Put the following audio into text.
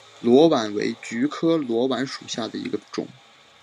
裸菀为菊科裸菀属下的一个种。